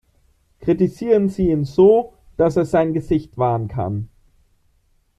Kritisieren Sie ihn so, dass er sein Gesicht wahren kann.